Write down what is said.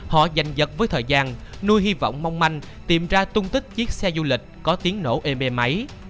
họ dành dật với thời gian nuôi hy vọng mong manh tìm ra tung tích chiếc xe du lịch có tiếng nổ êm êm ấy